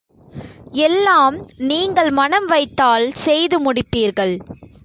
எல்லாம் நீங்கள் மனம் வைத்தால் செய்து முடிப்பீர்கள்.